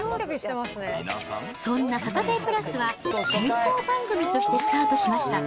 そんなサタデープラスは、健康番組としてスタートしました。